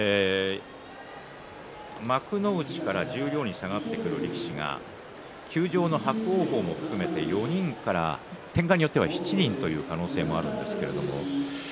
幕内から十両に下がってくる力士が休場の伯桜鵬も含めて、４人から展開によっては７人という可能性があります。